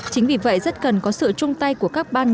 chính vì vậy rất cần có sự chung tay của các ban ngành